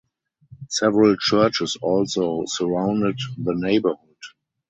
Several churches also surrounded the neighborhood.